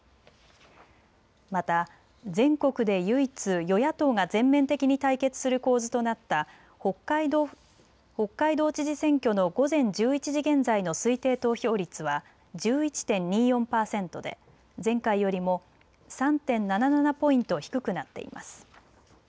また全国で唯一、与野党が全面的に対決する構図となった北海道知事選挙の午前１１時現在の推定投票率は１１．２４％で前回よりも３．７７ポイント低くなっています。